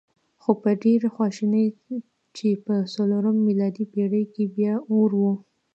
خو په ډېرې خواشینۍ چې په څلورمه میلادي پېړۍ کې بیا اور و.